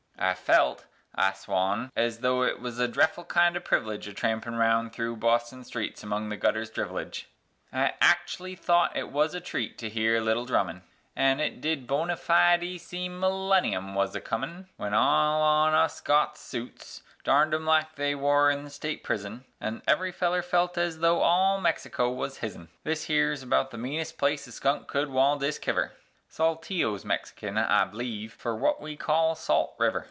I felt, I swon, ez though it wuz a dreffle kind o' privilege Atrampin' round thru Boston streets among the gutter's drivelage; I act'lly thought it wuz a treat to hear a little drummin', An' it did bonyfidy seem millanyum wuz a comin'; Wen all on us gots suits (darned like them wore in the state prison), An' every feller felt ez though all Mexico was hisn. This 'ere's about the meanest place a skunk could wal diskiver (Saltillo's Mexican, I b'lieve, fer wut we call Salt river).